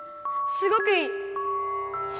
すごくいい！